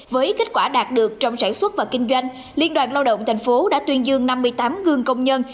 với kết quả đạt được trong sản xuất và kinh doanh liên đoàn lao động thành phố đã tuyên dương năm mươi tám gương công nhân